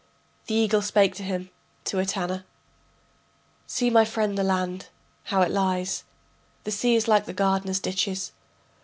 The eagle spake to him, to Etana: See my friend the land, how it lies, The sea is like the gardener's ditches.